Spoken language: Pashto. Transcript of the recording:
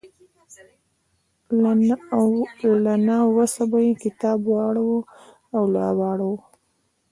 له نه وسه به مې کتاب واړاوه او راواړاوه.